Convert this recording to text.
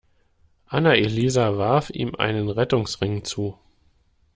Anna-Elisa warf ihm einen Rettungsring zu.